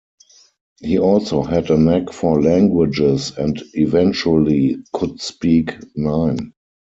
He also had a knack for languages, and eventually could speak nine.